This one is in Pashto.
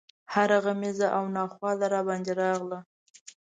هره غمیزه او ناخواله راباندې راغله.